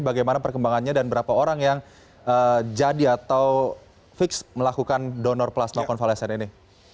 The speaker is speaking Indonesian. bagaimana perkembangannya dan berapa orang yang jadi atau fix melakukan donor plasma konvalesen ini